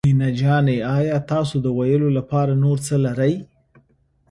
مينه جانې آيا تاسو د ويلو لپاره نور څه لرئ.